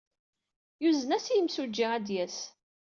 Yuzen-as i yimsujji ad d-yas.